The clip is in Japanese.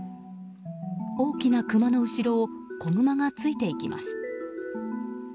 大きなクマの後ろを子グマがついていきます。